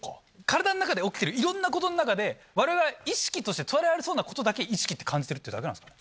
体の中で起きてるいろんなことの中で我々意識として捉えられそうなことだけ意識って感じてるってだけなんですか？